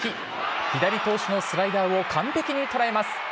左投手のスライダーを完璧に捉えます。